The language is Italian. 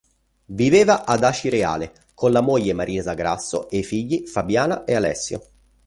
Viveva ad Acireale con la moglie Marisa Grasso e i figli Fabiana e Alessio.